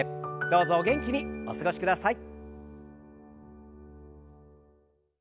どうぞお元気にお過ごしください。